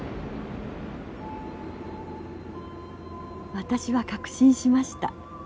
私は確信しました。